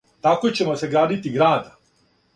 Тако ћемо саградити града.